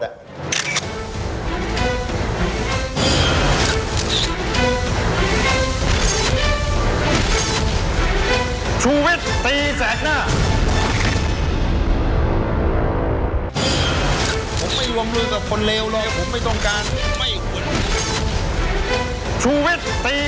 ผมไม่รวมรุนกับคนเลวเลยผมไม่ต้องการ